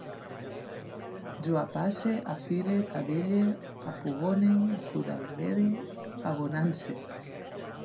Jo apasse, afille, cadelle, apugone, bugadege, abonance